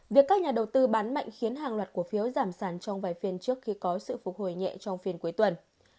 việc các nhà đầu tư bán mạnh khiến hàng loạt cổ phiếu giảm sản trong vài phiên trước khi có sự phục hồi nhẹ trong phiên cuối tuần